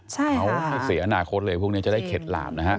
เขาให้เสียอนาคตเลยพวกนี้จะได้เข็ดหลาบนะฮะ